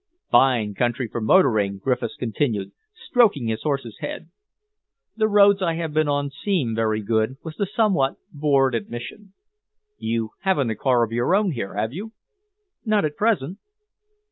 "Fine county for motoring," Griffiths continued, stroking his horse's head. "The roads I have been on seem very good," was the somewhat bored admission. "You haven't a car of your own here, have you?" "Not at present."